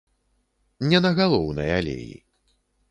Не на галоўнай алеі.